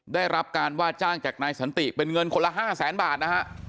ได้รับการว่าจ้างจากนายสันติเป็นเงินคนละ๕แสนบาทนะฮะ